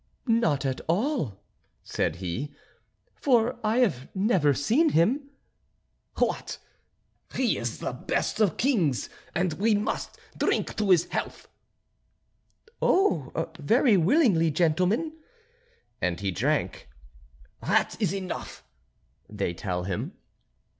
"Not at all," said he; "for I have never seen him." "What! he is the best of kings, and we must drink his health." "Oh! very willingly, gentlemen," and he drank. "That is enough," they tell him.